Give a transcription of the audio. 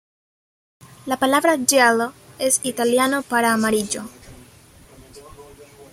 La palabra "giallo" es italiano para amarillo.